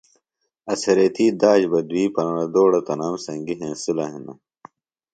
اڅھریتی داش بہ دوئی پݨردوڑہ تنام سنگیۡ ہینسِلہ ہِنہ